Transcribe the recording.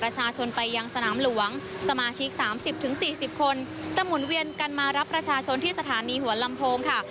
จะหมุนเวียนกันมารับประชาชนที่สถานีหัวลำโพงค่ะ